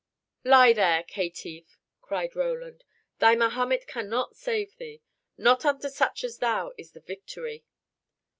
"Lie there, caitiff!" cried Roland, "thy Mahomet cannot save thee. Not unto such as thou is the victory."